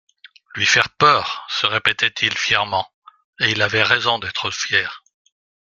Lui faire peur ! se répétait-il fièrement, et il avait raison d'être fier.